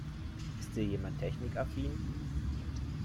Ist hier jemand technikaffin?